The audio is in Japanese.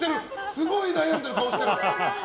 すごい悩んでる顔してる！